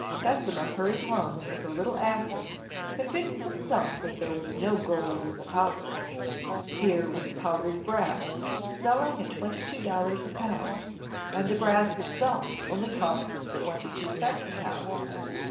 Bessemer hurried home and with a little acid convinced himself that there was no gold in the powder. Here was powdered brass, selling at twenty two dollars a pound, and the brass itself only cost twenty two cents a pound.